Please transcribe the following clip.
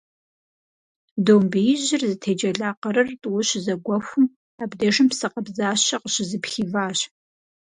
Домбеижьыр зытеджэла къырыр тӀууэ щызэгуэхум, абдежым псы къабзащэ къыщызыпхиващ.